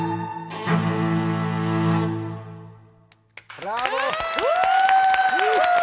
ブラボー！